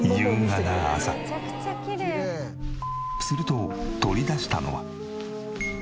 すると取り出したのは。